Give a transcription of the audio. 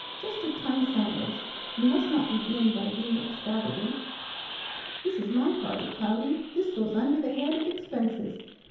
Just a tongue sandwich. You must not begin by being extravagant." "This is my party, Cloudy. This goes under the head of expenses.